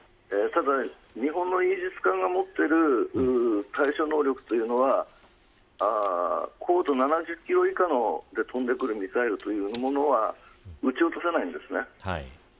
日本のイージス艦が持っている対処能力は高度７０キロ以下で飛んでくるミサイルというものは撃ち落とせないんです。